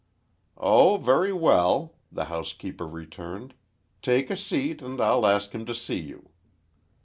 "Oh, very well," the housekeeper returned, "take a seat and I'll ask him to see you."